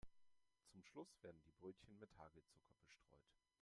Zum Schluss werden die Brötchen mit Hagelzucker bestreut.